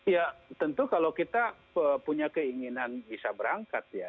ya tentu kalau kita punya keinginan bisa berangkat ya